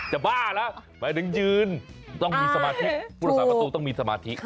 บ้าแล้วหมายถึงยืนต้องมีสมาธิกผู้รักษาประตูต้องมีสมาธิ